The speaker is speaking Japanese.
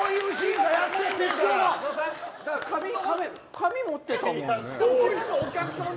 紙持ってたもんね。